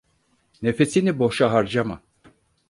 Nefesini boşa harcama.